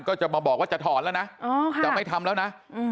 ก็จะมาบอกว่าจะถอนแล้วนะจะไม่ทำแล้วนะ